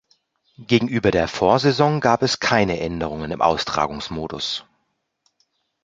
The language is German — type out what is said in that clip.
Gegenüber der Vorsaison gab es keine Änderungen im Austragungsmodus.